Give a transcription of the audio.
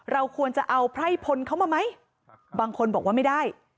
เราควรจะเอาไพร่พลเขามาไหมบางคนบอกว่าไม่ได้